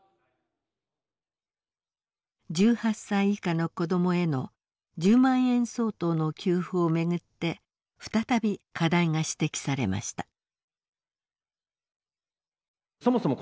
１８歳以下の子どもへの１０万円相当の給付を巡って再び課題が指摘されました。